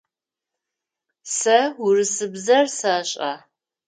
Сэ урысыбзэр сэшӏэ.